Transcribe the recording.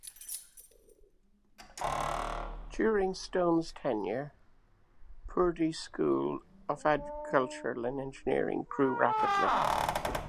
During Stone's tenure, Purdue's schools of agriculture and engineering grew rapidly.